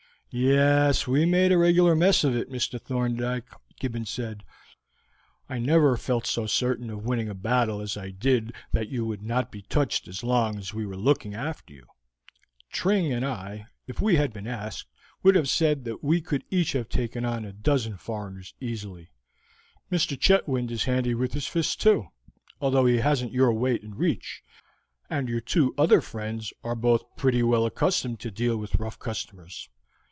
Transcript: "Yes, we made a regular mess of it, Mr. Thorndyke," Gibbons said. "I never felt so certain of winning a battle as I did that you would not be touched as long as we were looking after you. Tring and I, if we had been asked, would have said that we could each have taken on a dozen foreigners easily. Mr. Chetwynd is handy with his fists too, though he hasn't your weight and reach, and your two other friends are both pretty well accustomed to deal with rough customers.